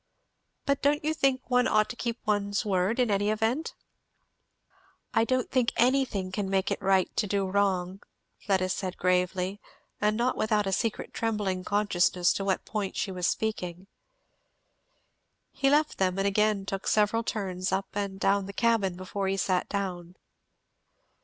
"But don't you think one ought to keep one's word, in any event?" "I don't think anything can make it right to do wrong," Fleda said gravely, and not without a secret trembling consciousness to what point she was speaking. He left them and again took several turns up and down the cabin before he sat down.